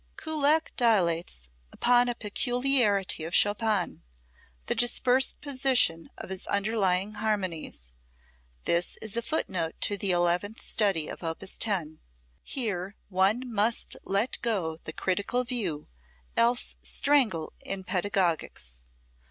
Kullak dilates upon a peculiarity of Chopin: the dispersed position of his underlying harmonies. This in a footnote to the eleventh study of op. 10. Here one must let go the critical valve, else strangle in pedagogics.